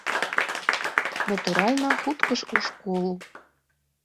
Натуральна, хутка ж у школу!